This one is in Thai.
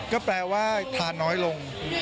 ก็แปลว่าทานน้อยลง